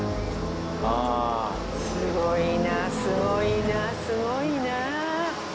すごいなすごいなすごいな。